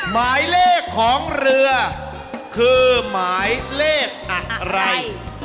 หมายเลขของเรือคือหมายเลขอะไร